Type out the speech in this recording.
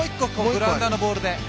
グラウンダーのボールで。